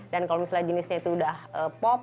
dan kalau misalnya jenisnya itu udah pop